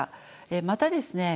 またですね